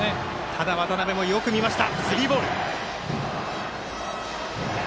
ただ渡邉もよく見ました。